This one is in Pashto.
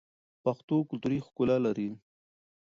پښتو کلتوري ښکلا لري.